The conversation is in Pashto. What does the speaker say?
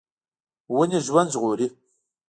ونې ژوند ژغوري.